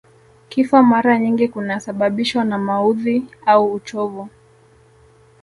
Kifo mara nyingi kunasababishwa na maudhi au uchovu